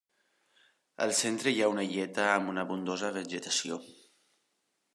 Al centre hi ha una illeta amb una abundosa vegetació.